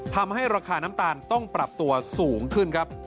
ทำให้ราคาน้ำตาลต้องปรับตัวสูงขึ้นครับ